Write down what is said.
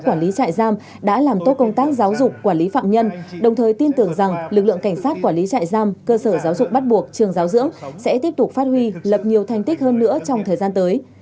quản lý trại giam đã làm tốt công tác giáo dục quản lý phạm nhân đồng thời tin tưởng rằng lực lượng cảnh sát quản lý trại giam cơ sở giáo dục bắt buộc trường giáo dưỡng sẽ tiếp tục phát huy lập nhiều thành tích hơn nữa trong thời gian tới